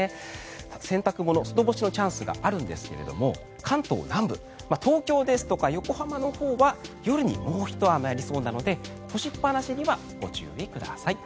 洗濯物、外干しのチャンスがあるんですが、関東南部東京ですとか横浜のほうは夜にもうひと雨ありそうなので干しっぱなしにはご注意ください。